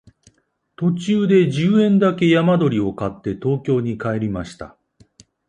途中で十円だけ山鳥を買って東京に帰りました